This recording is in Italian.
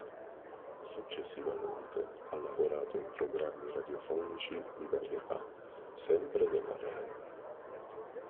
Successivamente ha lavorato in programmi radiofonici di varietà sempre della Rai.